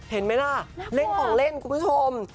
เห็นไหมล่ะเล่นของเล่นคุณผู้ชม